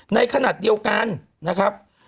ในขณะเดียวกันนะครับ